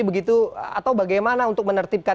begitu atau bagaimana untuk menertibkan